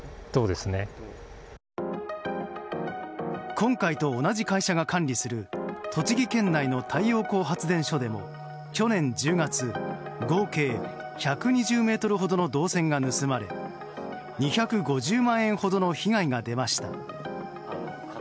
今回と同じ会社が管理する栃木県内の太陽光発電所でも去年１０月合計１２０ｍほどの銅線が盗まれ２５０万円ほどの被害が出ました。